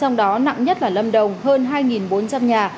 trong đó nặng nhất là lâm đồng hơn hai bốn trăm linh nhà